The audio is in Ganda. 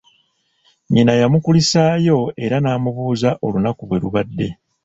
Nnyina yamukulisaayo era n'amubuuza olunaku bwe lubadde.